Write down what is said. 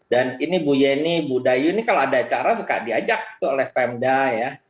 dan ini bu yeni bu dayu ini kalau ada acara suka diajak oleh pemda ya